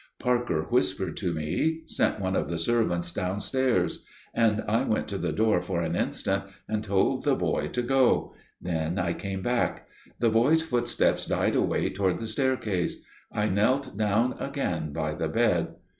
Parker whispered to me to send one of the servants downstairs: and I went to the door for an instant and told the boy to go: then I came back. The boy's footsteps died away down the staircase. I knelt down again by the bed.